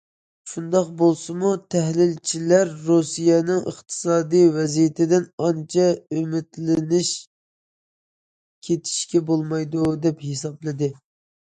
شۇنداق بولسىمۇ تەھلىلچىلەر رۇسىيەنىڭ ئىقتىسادىي ۋەزىيىتىدىن ئانچە ئۈمىدلىنىش كېتىشكە بولمايدۇ دەپ ھېسابلىدى.